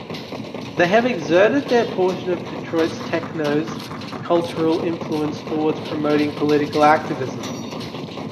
They have exerted their portion of Detroit techno's cultural influence towards promoting political activism.